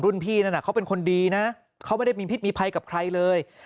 พี่นั่นเขาเป็นคนดีนะเขาไม่ได้มีพิษมีภัยกับใครเลย